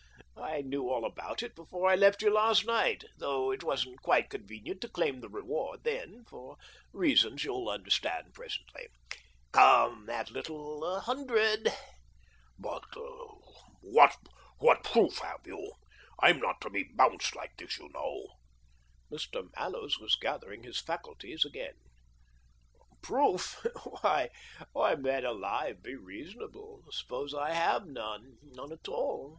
I knew all about it before I left you last night, though it wasn't quite convenient to claim the reward then, for reasons you'll understand presently. Come, that little hundred !" 184 THE DOEBINGTON DEED BOX "But what — what proof have you? I'm not to he hounced like this, you know." Mr. Mallows was gathering his faculties again. " Proof ? Why, man alive, be reasonable ! Suppose I have none — nc^ e at all ?